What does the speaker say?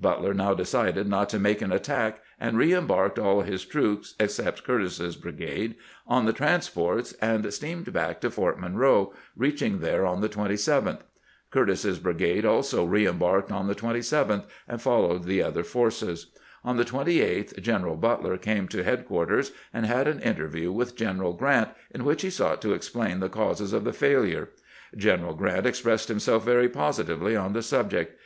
Butler now decided not to make an attack, and reembarked all of his troops, except Cur tis's brigade, on the transports, and steamed back to Fort Monroe, reaching there on the 27th. Curtis's brigade also reembarked on the 27th, and followed the other forces. On the 28th General Butler came to head quarters, and had an interview with Greneral Grant, in which he sought to explain the causes of the failure. General Grant expressed himself very positively on the subject.